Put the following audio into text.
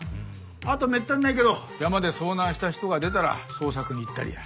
あとめったにないけど山で遭難した人が出たら捜索に行ったりや。